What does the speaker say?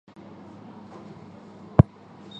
此后没有更改过。